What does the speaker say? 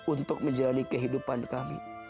untuk menjalani kehidupan kami